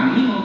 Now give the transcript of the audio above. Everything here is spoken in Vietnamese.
sẽ phát triển